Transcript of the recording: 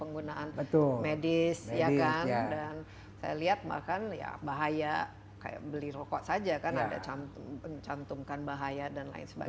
penggunaan medis dan saya lihat bahkan bahaya beli rokok saja kan ada yang mencantumkan bahaya dan lain sebagainya